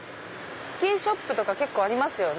スキーショップとか結構ありますね